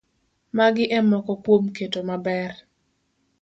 Magi e moko kuom keto maber